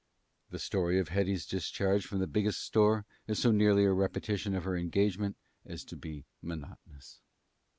The story of Hetty's discharge from the Biggest Store is so nearly a repetition of her engagement as to be monotonous.